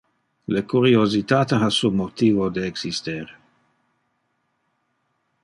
Le curiositate ha su motivo de exister.